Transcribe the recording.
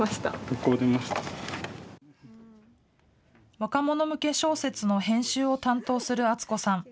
若者向け小説の編集を担当する淳子さん。